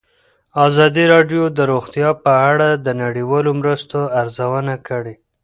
ازادي راډیو د روغتیا په اړه د نړیوالو مرستو ارزونه کړې.